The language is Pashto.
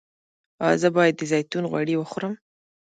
ایا زه باید د زیتون غوړي وخورم؟